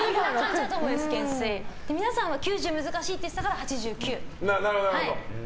皆さんは９０難しいって言ってたから８９。